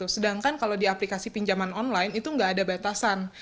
sedangkan kalau di aplikasi pinjaman online itu nggak ada batasan